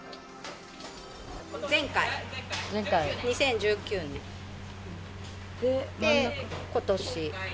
前回、２０１９年で、今年。